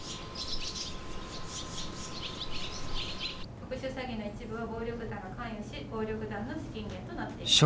特殊詐欺の一部は暴力団が関与し暴力団の資金源となっています。